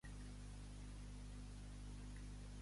Tres només es veu el tub i una mà.